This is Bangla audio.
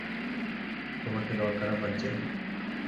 তোমাকে দরকার আমার, জেন।